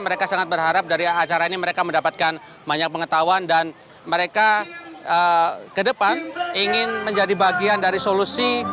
mereka sangat berharap dari acara ini mereka mendapatkan banyak pengetahuan dan mereka ke depan ingin menjadi bagian dari solusi